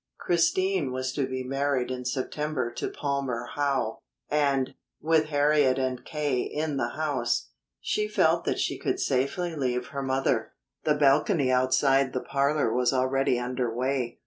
Christine was to be married in September to Palmer Howe, and, with Harriet and K. in the house, she felt that she could safely leave her mother. The balcony outside the parlor was already under way.